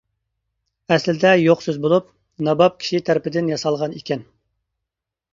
ئەسلىدە يوق سۆز بولۇپ، ناباب كىشى تەرىپىدىن ياسالغان ئىكەن.